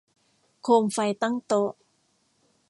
โคมไฟตั้งโต๊ะ